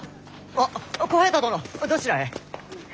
あっ小平太殿どちらへ？